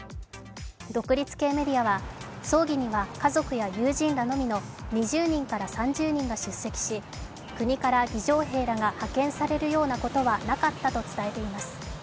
独立系メディアは葬儀には家族や友人らのみの、２０人から３０人が出席し、国から儀じょう兵らが派遣されるようなことはなかったと伝えています。